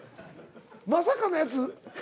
まさかのやつ？